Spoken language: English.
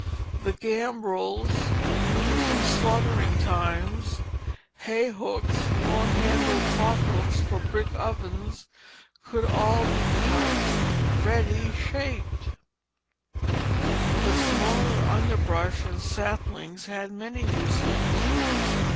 The gambrels used in slaughtering times, hay hooks, long handled pothooks for brick ovens, could all be cut ready shaped. The smaller underbrush and saplings had many uses.